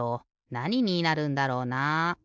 なにになるんだろうな？